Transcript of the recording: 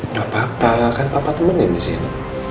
gak apa apa kan papa temennya disini